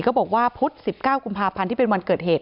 บอกว่าพุธ๑๙กุมภาพันธ์ที่เป็นวันเกิดเหตุ